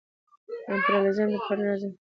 امپرياليزم طبقه ،رياليزم طبقه او داسې نورې طبقې شته .